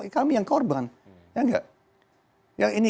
kami yang korban